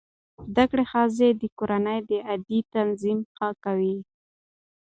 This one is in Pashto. زده کړه ښځه د کورنۍ د عاید تنظیم ښه کوي.